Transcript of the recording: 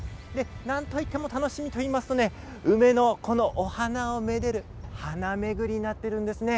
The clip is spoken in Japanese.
なんといっても楽しみと言いますと梅の花をめでる花巡りになっているんですね。